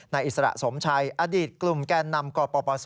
อิสระสมชัยอดีตกลุ่มแกนนำกปศ